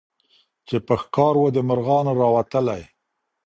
چي په ښکار و د مرغانو راوتلی